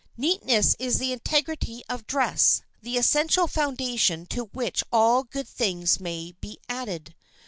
Neatness is the integrity of dress, the essential foundation to which all good things may be added.